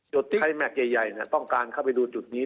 ใช้แม็กซใหญ่ต้องการเข้าไปดูจุดนี้